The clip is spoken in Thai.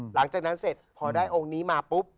หลังจากนั้นเสร็จพอได้องค์นี้มาปุ๊บ